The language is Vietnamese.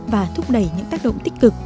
và thúc đẩy những tác động tích cực